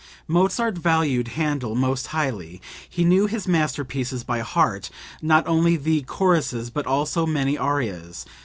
(Mozart valued Handel most highly. He knew his masterpieces by heart not only the choruses but also many arias.